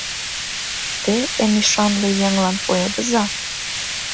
Те эн ӱшанле еҥлан пуэдыза...